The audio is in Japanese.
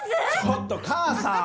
ちょっと母さん！